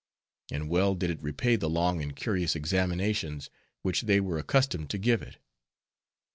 And well did it repay the long and curious examinations which they were accustomed to give it.